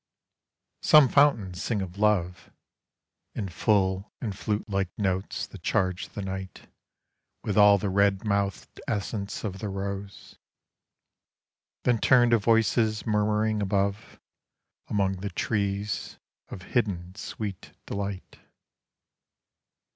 SOME fountains sing of love In full and flute like notes that charge the night With all the red mouthed essence of the rose ; Then turn to voices murmuring above, Among the trees, Of hidden sweet delight.